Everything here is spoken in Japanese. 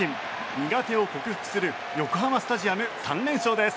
苦手を克服する横浜スタジアム３連勝です。